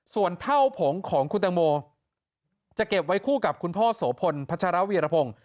ส่วนเท่าผงของคุณตังโมจะเก็บไว้คู่กับคุณพ่อโสพลพัชรวีรพงศ์